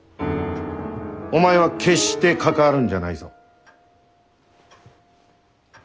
お前は決して関わるんじゃないぞ。